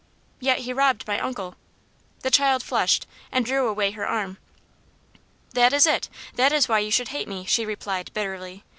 "Yet he robbed my uncle." The child flushed, and drew away her arm. "That is it. That is why you should hate me," she replied, bitterly.